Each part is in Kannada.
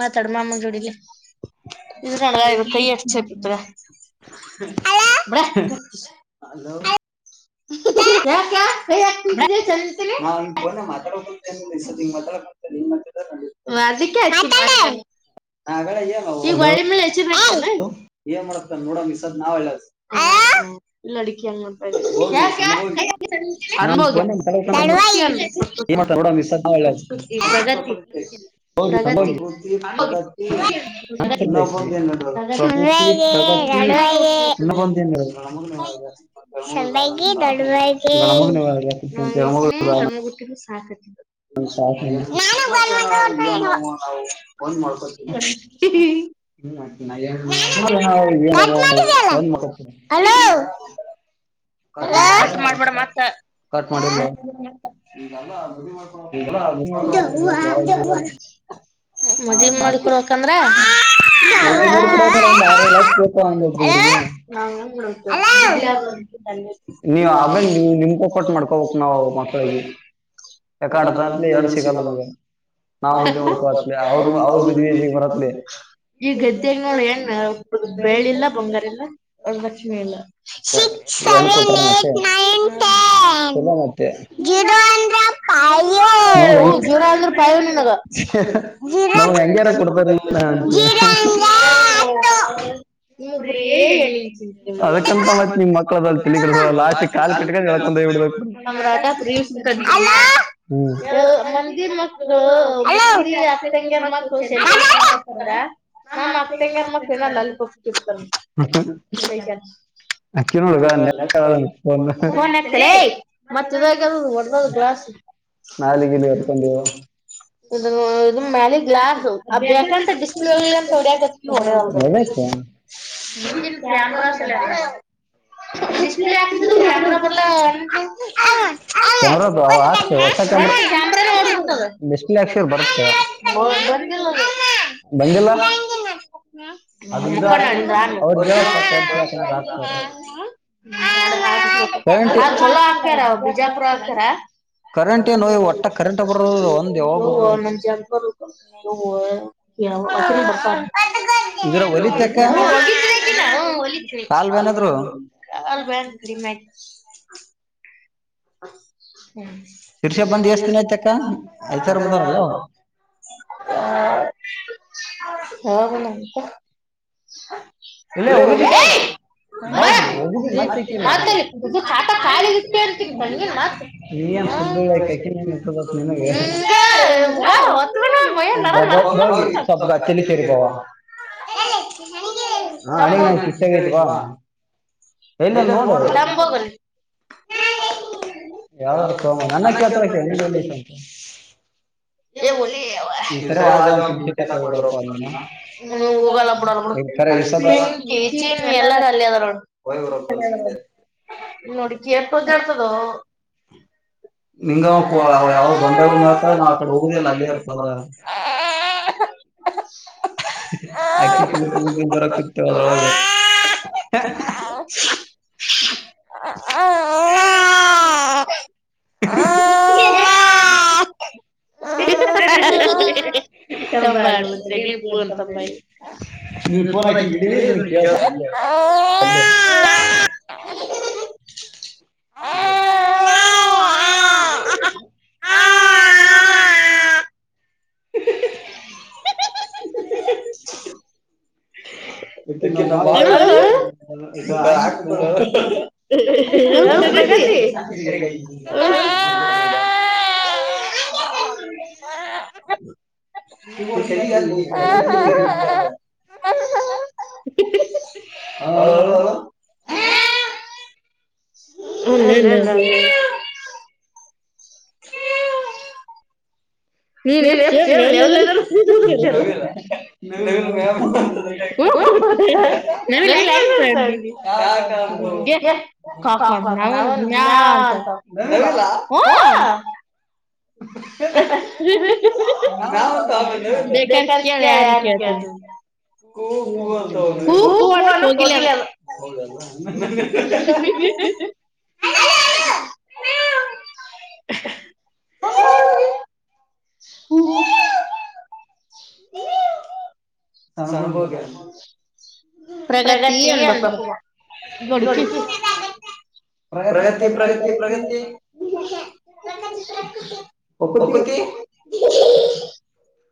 ಮಾತಾಡ ಮಾಮ್ಮನ ಜೋಡಿಗೆ ಇದ್ರ ನಗರು ಕೈ ಎಷ್ಟಪತ್ ಹಲೋ ಹ ಕೈ ಆಕೀದ್ರೆ ಮಾತಾಡ ಮಾತಾ ಅದ್ಕೆ ಮಾತಾಡಲೇ ಈ ಒಳ್ಳ ಮೇಲೆ ಹೆಚ್ಚಿ ನೋಡೋಂಗ ಸರ್ ನಾವ್ಲಲ್ಲ ಹಲೋ ಎಲ್ಲಾ ಫ್ರೆಂಡ್ಸ್ ಅನುಭೋಗ್ಯ [unintelligible] ಪ್ರೃ ಪ್ರಗತಿ ಪ್ರಗತಿ ಪ್ರಗತ್ತಿ ಇನ್ನೊಬಂದನು [unintelligible] ಚೆಂದಾಗಿ ದೊಡ್ ನಾಳ್ತ ಗ ಸಾಕ [unintelligible] ಒಂದ್ ಮಾಡ್ಕತ ಒಂದ್ [unintelligible] ಮಾಡ್ಬೇಡ ಮತ್ತ ಹ ಮದ್ ಮಾಡಿಕೂರ್ಕಂದ್ರ ಒಂದ್ ಆರು ವರ್ಷ ಬೇಕು ಒಂದ ಒಬ್ಬ್ರಿಗೆ ನೀ ಆಬೇನ್ ನೀವು ನಿಮಕೊಕಟ್ಟ ಮಾಡ್ಕೋಬಕ್ ನಾವವು ಮ [unintelligible] ಏಲು ಸಿಗಾಲ ಈ ಎದ್ದ ನೋ ಏನ್ ಬೇಳಿಲ್ಲ ಬಂಗಾರಲ್ಲ ಒರ ಲಕ್ಷ್ಮಿ ಇಲ್ಲ ಎಣಕಟಾರ ಮತ್ತೆ ಚಲ ಮತ್ತೆ [unintelligible] ಪಾಯ ಜೀವರ ಅಂದ್ರರು ಪಾಯ ನಿನಗಿರಾ ಹಾ [unintelligible] ನೀಬರೇ ಎಳ ಮಕ್ಕಳಾ ಕಾಲ ಕಟ್ಟ [unintelligible] ಮಂದಿ ಮ ಮ ಅಂಗ ಮ [unintelligible] ತ [unintelligible] ನಾ ಅಕ್ ತಂಗಿರ ಮಕ್ಳ ಏನಲ್ಲ ಅಲ್ಲಿಪಪ್ಪಿರ್ತಾರೆೈ. ನ್ತ ಮತ್ತ ಫೋನ್ ಹಚ್ಚಿಲ ಒ ಗ್ಲಾಸ್ ಇದ ಇದ ಮ್ಯಾಲ ಗ್ಲಾಸ್ ಆ ಬೇಕಂತ ಡಿಸ್ಪ್ಲೇಂತ ಹೊಡಕತ್ ಹೊಡಲ್ದ. ಇಿಂದನ್ ಕ್ಯಾಾಮ್ರಾಸ್ ಎಲ್ಲ. ಡಿಸ್ಪ್ಲೇ ಹಾಕ್ಸಿದ್ರು ಯಾಕ್ ಆದ್ಲು ಅಂಬ ಓಡಿತ [unintelligible] ಮುಕ್ಕ [unintelligible] ಪಸ ತ [unintelligible] ಹಾ ಚಲ ಆಕ ಬೀಜಾಪ್ರ ಆಕರ. ನ ಚ [unintelligible] ಹ ಬ ಬನ್ ಮ [unintelligible] ಹ [unintelligible] ಹ ಹಾ ಹೋಗೋಣ ಅಂತ. ಹಲೋ ಹಭಟಾಯ [unintelligible] ಬರ ಆತರಿ ಇದು ಾಟ ಖಾಲಿ ಇಷ್ಟೇ ಅಂತೀನಿ. ನ್ ಮಾತ್ರ ನಿಂಗಂಗ ಒತ್ತುಣ. ಮ [unintelligible] ಹ [unintelligible] ತಂಬೋಗನ ಯಾರ ನನ್ನ ಕಳ್ತ [unintelligible] [inaudible] ಒಲಿರಿ ಯವ್ವನೀ ಹೋಗಲ್ಲ ಬಿಡ. ಪಿಂಕಿ ಚೀಮಿ ಎಲ್ಲಾರ ಅಲ್ಲಿ ಅವರ. ವಯವರ ಅನ್ಸೆ ನೋಡಿಕ ಎಟ್ಟ ದ್ದಾ ಆಡ್ತದ. ನಿಂಗ ಯಾವ್ದ ಬಂದವ್ ಮಾತ್ರ ನಾ ಹೋಗುದ ನ ಹ [unintelligible] ಹ ಹ [unintelligible] [inaudible] ಹ [unintelligible] ತಂಬ ಆ [unintelligible] ನೀ ಫೋನ್ ನಾಕ ಇಡ ಕೇಳ್ಸಲ್ [inaudible] ಆ ಹಾ [inaudible] [inaudible] [unintelligible] ಹ ಹ ಕಗ ಲ್ಲಿ ಅ ನೀ [unintelligible] ಹ [unintelligible] ಅಲ್ಲಲ್ಲ ಅದೇ [unintelligible] ಹ್ಮ ನೀನ್ ನ [unintelligible] ನಂಗ್ ಕಾಕ್ ಹೌಂತ ನವು ಅ ನ ಬೇಕಾರ್ ಕ ಯಾಮ ಕ ತ ಹೂ ಹೂ ಅಂತ ಹೂ ಹೂ ಅ ಹೋಗಿಿಲ್ಲ ಅ ಅಲೋ ಅಲೋ ಹ ಹು ಹ ಸಣಭೋಗ ಪ್ರಗತಿ ಅನ್ಬಪ್ಪಡು ಪ್ರಗತಿ ಪ್ರಗತಿ ಪ್ರಗತಿ ಒಪ್ಪತಿ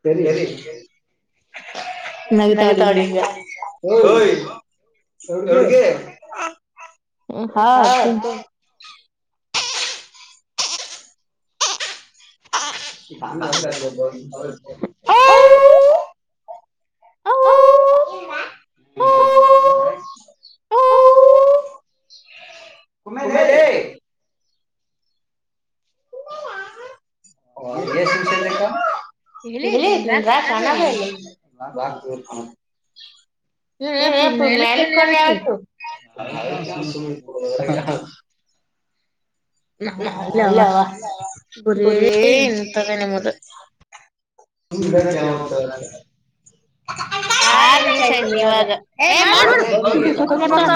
ಸರಿ [inaudible] ನ ತ ಹಿಗೆ ಹಾ ಸ ಓ ಕುಮೆ ರ ಎ ಶಷಯಖ ಎ ನಿನ್ ರಾ ಚನ್ನಾಗ ಇ ಮಲಿಕೊಂಡ ಯತು ನಳಸು ನರ ನಲ್ಲ ಬರೇ ಎಂತನೆಮದ ಸುರ ಕತರ ಆರು ನಿಮಿಷ ಆಯ್ತು ಇವಾಗ ಏ ಮಾಡ್ಬತ್ಡ್ತ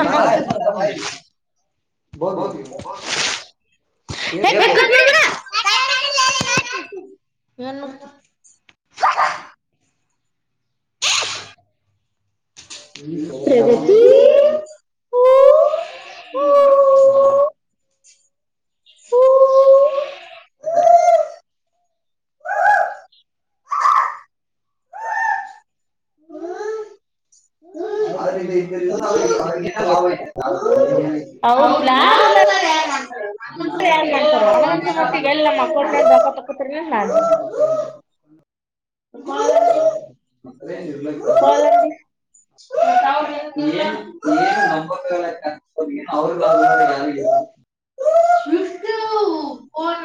ಬೌ [unintelligible] ಹ್ಮ ಹ್ಮ ಹ್ಮ ಅವಂದ ಅವಿಗೆ ಅವಿಗೆ ಲಾಭ ಇ ಹ್ಮ ಏನ್ ಮಾಡ್ತಾರಾರೆ ಒಣಗಂದಸು ಮತ್ತಿಗೆ ಎಲ್ಲ ನಮ್ಮ ಅಕೌಟ್ ದಾಕ್ಕ ತಕೋತ್ರಿ ನೀ ಹ ಅತ್ತ ಇರ್ಲ್ಲಕ್ಕಾ [unintelligible] ಅವ್ರ ೋನ್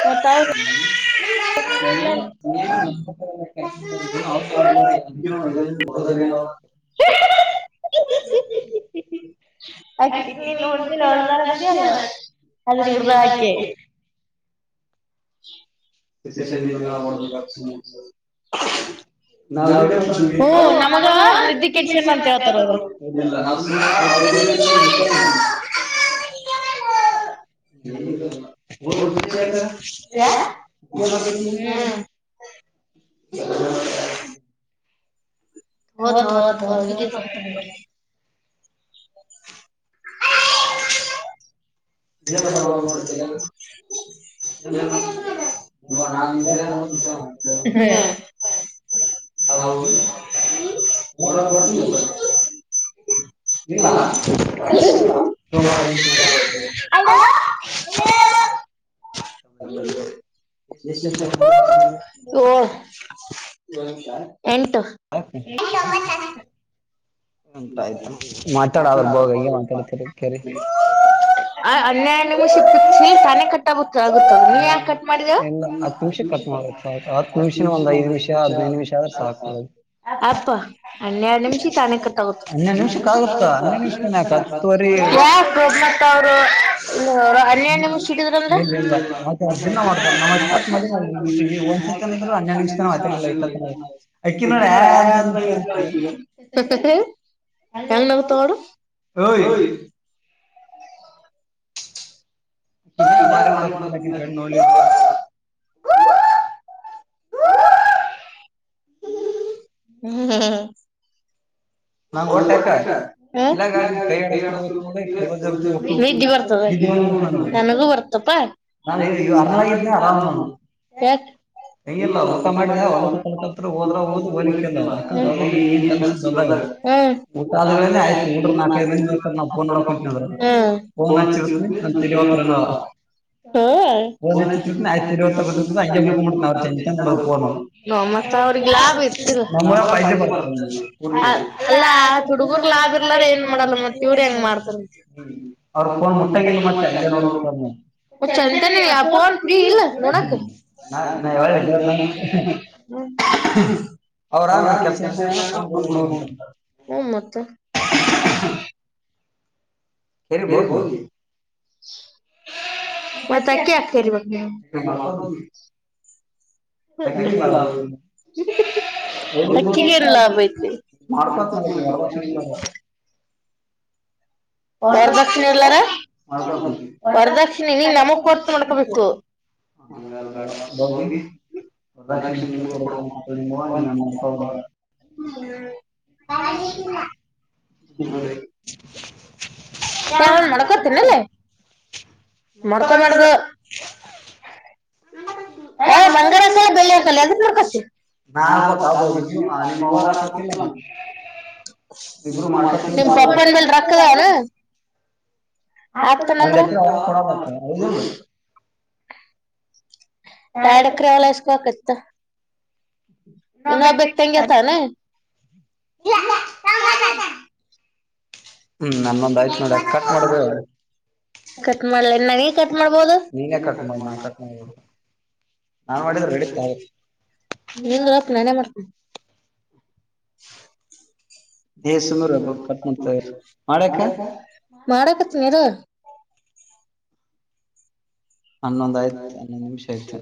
ಬತ [unintelligible] ಹ [unintelligible] ಆಚ ರತ್ತೆ ರ ಮ ಅಲ್ಲಿಮಾಡಕ ಶಷದಗ ಸಮ ಹ ನಮಗ ನಿದ್ದಿ ಕೆಡ್ಸನ್ ಅಂತ ಆತಾರ ಅವರು [unintelligible] ಹುಾಯ ಕ ಉಿದ್ದ ಹಾ ಹ ಹೊತ್ ಹೊತ್ ಹೊ ಒ [unintelligible] ನ ಮಾಡತ ಏ ನಾ ಮಾಡ್ [unintelligible] ಇಲ್ಲ ಸ [unintelligible] [unintelligible] ತಂಬ ಕಷ್ಟತ ಹ ಮಾ ಅನ್ಯಾಯ ಮಷ ಇ ತಾನೆ ಕಟ್ ಆಗುತ್ತ ನೀವ ಯಾ ಕಟ್ ಮಾಡಿದ ನಿ ನಿ ಅ ಅನ್ಯರು ನಿಮಿಷ ತಾನ ಹ ನಿಮ ಹ ನಿಮ ಯಾಕ ಅವರು ಅನ್ಯ್ಯಮ ಇಟ್ಟಿದ್ರಂದ [unintelligible] [unintelligible] ಸನ ಕಾರರ ಮಾಡಣೆ ಹ್ಮ [unintelligible] ನನಗೂ ಬರ್ತಪ ಯ ಇಲ್ಲ ಊಟ ಮಾಡಿದ ಒಲಿಕ್ಕೆಲ್ಲ ಈಗೇನ್ ಕಲ್ಸದಾಗ ಹ್ಮ್ ಗಊತ್ತ್ ತೋನ್ತ್ತ [inaudible] ಹೋ [inaudible] ಅವ್ರಿಗೆ ಲಾಭ ಇತ್ತಲ್ಲ ನ್ರಿರ್ತ ಅಲ್ಲಾ ಹುಡುಗೂರ್ಲ ಆಿರ್ಲಾರ ಏನ್ ಮಾಡಲ್ಲ ಮತ್ ಇವ್ರ ಹೆಂಗ್ ಮಾಡ್ತಾರ ಮೆ ಅ ಚೆಂತಾನ ಯನ್ ಫ್ರೀ ಇಲ್ಲ ನೋಡಕ್ ಅವರ ನಿ ಕೆಲಸ ಿಂದ ಕೊಂಡ್ ಕೊಡ ಹಂತ ಹ್ಮ ಮತ್ತ ಮರಿ ಹೋಗಿ ಮತ್ತಕ್ಕೆ ಯತ್ಕ ನೀ ಹಲ್ಲ ನಕ್ಕಿಗರ ಲಾಭಯಐ [inaudible] ವರದಕ್ಷಿಣೆ ಇಲ್ಲಾರ ವರದಕ್ಷಿಣೆ ನೀ ನಮಗ್ ಕೊರ್ತ ಮಾಡ್ಕೊಬೇಕು ಅಂಗಾರ ಬಡ ಹೋಗಿ ಒ ಲಕ್ಷ ನಿೂರು ಕೊೂಡ [unintelligible] [unintelligible] ಹ ಅವ ಮನೆ ಕೊತೀನಲೆ ಮಡಕೊಬೇಡ್ದ ಬಂಗಡ ಹಕಲ್ಲ ಬೆಳ್ಳಿ ಹಕಲ್ಲ ಅದ ನೋಡ್ಕಷ್ಟ ನಾಪ್ಪಕ್ಕಗ ಇ ಮವರಕಲ್ಲ ಪಪ್ಪನ್ ರಕ್ಕದನು ಆತ ಮಂದ್ರ ಎರಡು ಎಕರೆ ಒಲ ಇಸ್ಕೋಕತ್ತು ಇನ್ನ ಬಕ್ ತಂಗಗೆ ತಾನೆ ಹ್ಮ್ ನನ್ನೊಂದ್ ಆಯ್ತು ನೋಡ ಕಟ್ ಮಾಡಬೇಕ ನೀನೇ ಕಟ್ ಮಾಡಿ ನಾ ಕಟ್ ಮಾಡ [inaudible] ನಿನ್ ರಪ್ಪ ನಾನೇ ಮಾಡ್ತೇನೆ [inaudible] [inaudible] ಮಾಡಕತ್ತಿ ನೀರು ಹನ್ನೊಂದ್ಯ್ [inaudible] ಹನ್ನೊಂದುನಿಮಿಷ ಆಯ್ತು